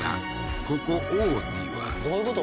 ここＯｏｄｉはどういうこと？